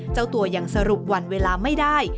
เจ้าตัวยังสรุปวันเวลาไม่ได้